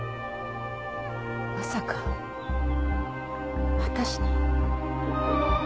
まさか私に？